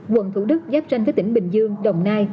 quận thủ đức giáp tranh các tỉnh bình dương đồng nai